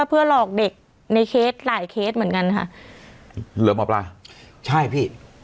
เพื่อหลอกเด็กในเคสหลายเคสเหมือนกันค่ะเหรอหมอปลาใช่พี่